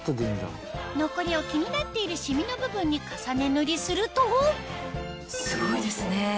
残りを気になっているシミの部分に重ね塗りするとすごいですね。